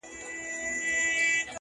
په دې فکر کي خورا په زړه افګار یو،